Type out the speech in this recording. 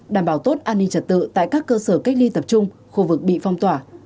đảm bảo tốt an ninh trật tự tại các cơ sở cách ly tập trung khu vực bị phong tỏa